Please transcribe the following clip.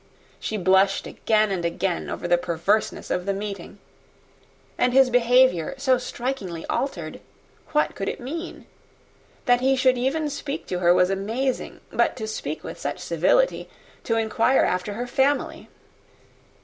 She blushed again and again over the perverseness of the meeting. And his behaviour, so strikingly altered, what could it mean? That he should even speak to her was amazing! but to speak with such civility, to inquire after her family!